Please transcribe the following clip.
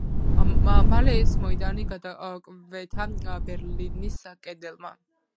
მალე ეს მოედანი გადაკვეთა ბერლინის კედელმა.